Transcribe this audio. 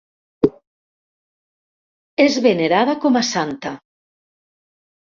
És venerada com a santa.